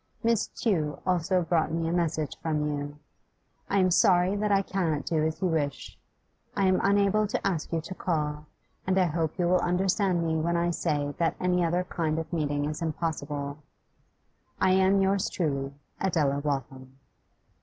'Miss Tew also brought me a message from you. I am sorry that I cannot do as you wish. I am unable to ask you to call, and I hope you will understand me when I say that any other kind of meeting is impossible. 'I am, yours truly, 'ADELA WALTHAM.